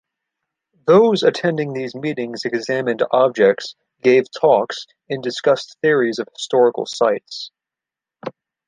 Those attending these meetings examined objects, gave talks, and discussed theories of historical sites.